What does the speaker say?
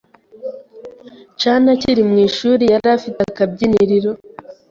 Chan akiri mu ishuri yari afite akabyiniriro